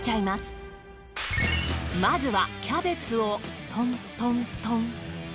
まずはキャベツをトントントン。